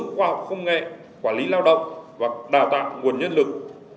quản lý lao động và đào tạo nguồn nhân lực